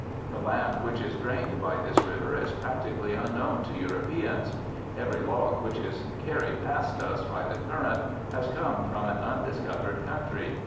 The land which is drained by this river is practically unknown to Europeans. Every log which is carried past us by the current has come from an undiscovered country.